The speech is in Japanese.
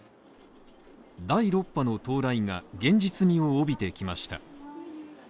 第６波の到来が現実味を帯びてきました。